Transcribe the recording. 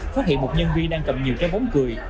phát hiện một nhân viên đang cầm nhiều trái bóng cười